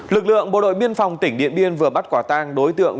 lực lượng bộ đội biên phòng tỉnh điện biên vừa bắt quả tang đối tượng